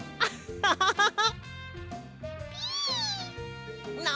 ハハハハ。